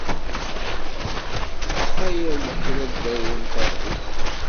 Ittxayal-d kra ddaw umeṭreḥ-is.